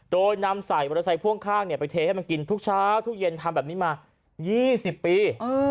โดยนำใส่มอเตอร์ไซค์พ่วงข้างไปเทให้มันกินทุกเช้าทุกเย็นทำแบบนี้มา๒๐ปี